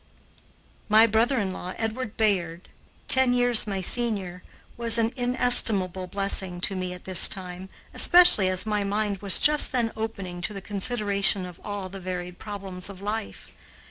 My brother in law, Edward Bayard, ten years my senior, was an inestimable blessing to me at this time, especially as my mind was just then opening to the consideration of all the varied problems of life.